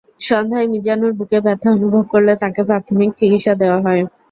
সন্ধ্যায় মিজানুর বুকে ব্যথা অনুভব করলে তাঁকে প্রাথমিক চিকিৎসা দেওয়া হয়।